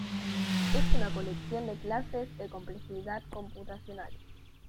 Es una colección de clases de complejidad computacional.